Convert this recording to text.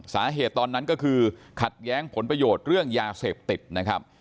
ตอนนั้นก็คือขัดแย้งผลประโยชน์เรื่องยาเสพติดนะครับ